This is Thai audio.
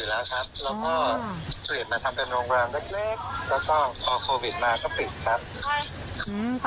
แล้วก็ตอนโควิดมาก็ปิดครับ